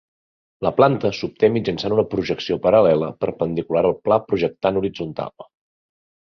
La planta s'obté mitjançant una projecció paral·lela, perpendicular al pla projectant horitzontal.